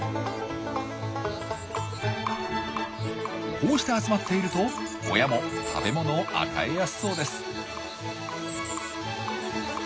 こうして集まっていると親も食べ物を与えやすそうです。